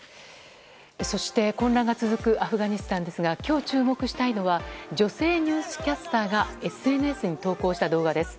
そして混乱が続くアフガニスタンですが今日注目したいのは女性ニュースキャスターがＳＮＳに投稿した動画です。